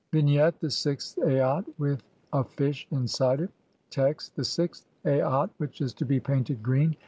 Vignette : The sixth Aat (i==D , with a fish inside it. Text: (1) The sixth Aat [which is to be painted] green.